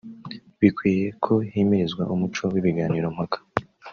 bikwiye ko himirizwa umuco w’ibiganiro mpaka